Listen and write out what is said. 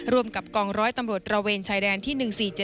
ร่วมกับกองร้อยตำรวจระเวนชายแดนที่๑๔๗